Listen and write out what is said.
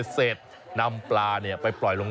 เสร็จนำปลาไปปล่อยลง